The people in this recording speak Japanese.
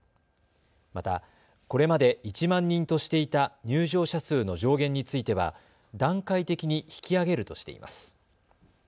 また、これまで１万人としていた入場者数の上限については段階的に引き上げるとしています。